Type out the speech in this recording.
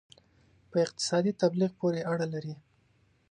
په اقتصادي تبلیغ پورې اړه لري.